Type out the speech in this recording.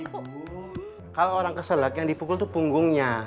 ibu kalau orang keselak yang dipukul tuh punggungnya